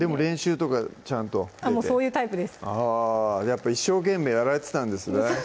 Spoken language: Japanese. やっぱ一生懸命やられてたんですね